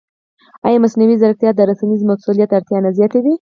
ایا مصنوعي ځیرکتیا د رسنیز مسؤلیت اړتیا نه زیاتوي؟